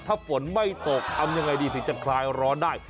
ถ้าฝนไม่ตกทำยังไงดีสิจะคลายร้อนได้